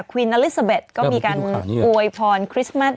วินอลิซาเบ็ดก็มีการอวยพรคริสต์มัส